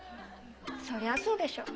そりゃそうでしょ。